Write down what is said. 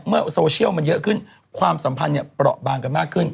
โซเชียลมันเยอะขึ้นความสัมพันธ์เนี่ยเปราะบางกันมากขึ้น